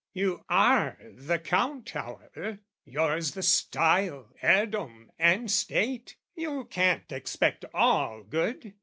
"You are the Count however, yours the style, "Heirdom and state, you can't expect all good.